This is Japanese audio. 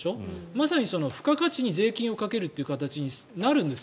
まさに付加価値に税金をかける形になるんです。